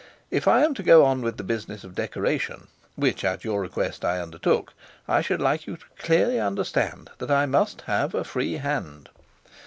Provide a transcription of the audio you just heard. If I am to go on with the business of decoration, which at your request I undertook, I should like you to clearly understand that I must have a free hand.